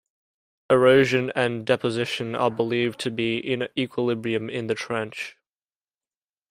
Erosion and deposition are believed to be in equilibrium in the trench.